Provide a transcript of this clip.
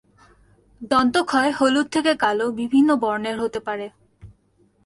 দন্তক্ষয় হলুদ থেকে কালো বিভিন্ন বর্ণের হতে পারে।